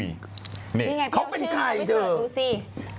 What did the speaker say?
นี่ไงเขาเป็นใครเดี๋ยว